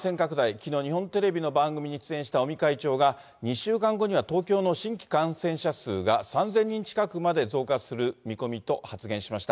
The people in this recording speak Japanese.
きのう、日本テレビの番組に出演した尾身会長が、２週間後には東京の新規感染者数が３０００人近くまで増加する見込みと発言しました。